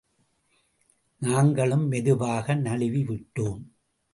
நாங்களும் மெதுவாக நழுவிவிட்டோம்.